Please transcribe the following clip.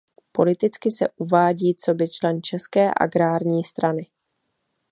Politicky se uvádí coby člen České agrární strany.